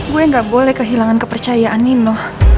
gue gak boleh kehilangan kepercayaan nino